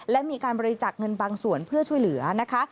และมีการบริจาคเงินบางส่วนเพื่อช่วยเหลือนะคะ